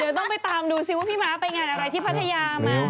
เดี๋ยวต้องไปตามดูซิว่าพี่ม้าไปงานอะไรที่พัทยามา